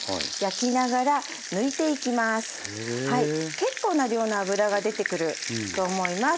結構な量の脂が出てくると思います。